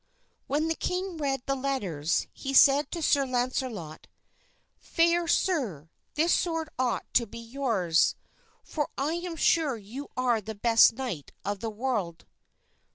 When the king read the letters, he said to Sir Launcelot, "Fair sir, this sword ought to be yours; for I am sure you are the best knight of the world."